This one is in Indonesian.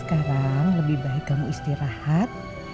sekarang lebih baik kamu istirahat